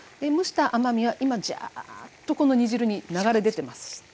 蒸した甘みは今じゃっとこの煮汁に流れ出てます。